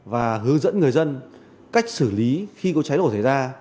và hướng dẫn người dân cách xử lý khi có cháy nổ xảy ra